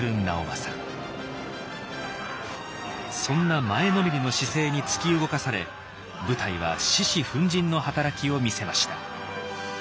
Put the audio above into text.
そんな前のめりの姿勢に突き動かされ部隊は獅子奮迅の働きを見せました。